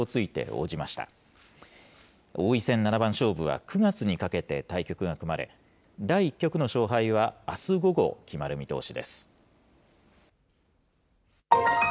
王位戦七番勝負は、９月にかけて対局が組まれ、第１局の勝敗はあす午後、決まる見通しです。